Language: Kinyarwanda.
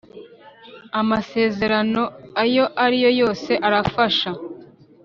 amasezerano ayo ari yo yose arafasha